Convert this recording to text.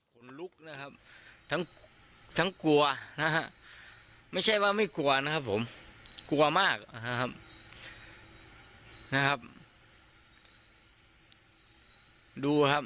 คนลุกนะครับทั้งทั้งกลัวนะฮะไม่ใช่ว่าไม่กลัวนะครับผมกลัวมากนะครับดูครับ